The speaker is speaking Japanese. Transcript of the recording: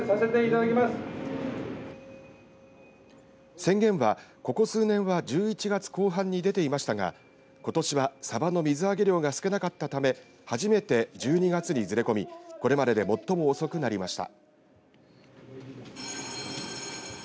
宣言は、ここ数年は１１月後半に出ていましたがことしは、さばの水揚げ量が少なかったため初めて１２月にずれ込みこれまでで最も遅くなりました。